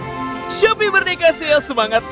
ya allah kuatkan istri hamba menghadapi semua ini ya allah